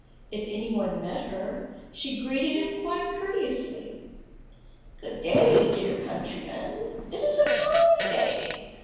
If any one met her, she greeted him quite courteously. "Good day, dear countryman, it is a fine day.